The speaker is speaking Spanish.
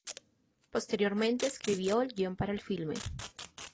Posteriormente escribió el guion para el filme.